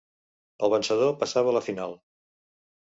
El vencedor passava a la final.